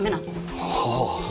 はあ。